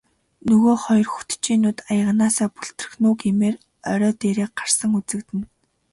Нөгөө хоёр хөтчийн нүд аяганаасаа бүлтрэх нь үү гэмээр орой дээрээ гарсан үзэгдэнэ.